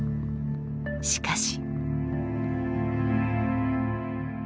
しかし。